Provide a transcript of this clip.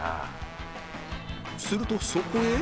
するとそこへ